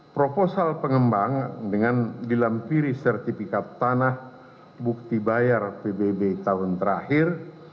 proposal pengembang dengan dilampiri sertifikat tanah bukti bayar pbb tahun terakhir